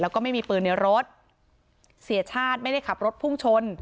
แล้วก็ไม่มีปืนในรถเสียชาติไม่ได้ขับรถพุ่งชน